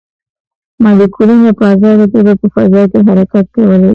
مالیکولونه په ازاده توګه په فضا کې حرکت کولی شي.